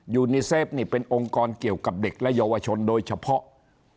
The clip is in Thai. ยูนีเซฟนี่เป็นองค์กรเกี่ยวกับเด็กและเยาวชนโดยเฉพาะ